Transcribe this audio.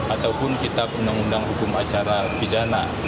ataupun kita mengundang hukum acara pidana